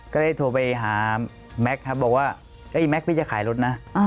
ก็ได้โทรไปหาแม็กซ์ครับบอกว่าแม็กซพี่จะขายรถนะ